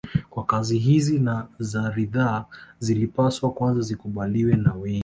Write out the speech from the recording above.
Kwa kazi hizi ni za ridhaa zilipaswa kwanza zikubaliwe na wengi